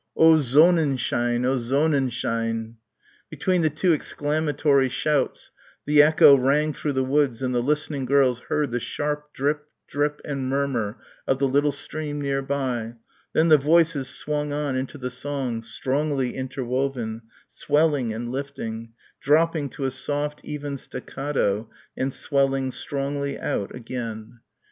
"O _Sonn_enschein! O _Sonn_enschein!" Between the two exclamatory shouts, the echo rang through the woods and the listening girls heard the sharp drip, drip and murmur of the little stream near by, then the voices swung on into the song, strongly interwoven, swelling and lifting; dropping to a soft even staccato and swelling strongly out again.